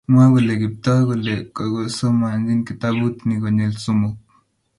Mwa kole Kiptoo kole kakosomancjimkitabut ni konyil somok